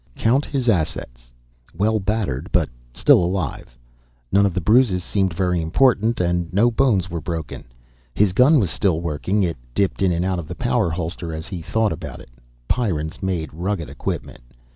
Count his assets. Well battered, but still alive. None of the bruises seemed very important, and no bones were broken. His gun was still working, it dipped in and out of the power holster as he thought about it. Pyrrans made rugged equipment.